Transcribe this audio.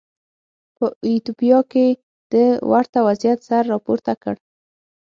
په ایتوپیا کې د ورته وضعیت سر راپورته کړ.